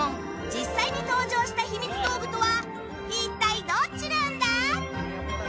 実際に登場したひみつ道具とは一体どっちなんだ？